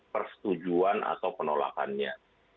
persetujuan atau penolakannya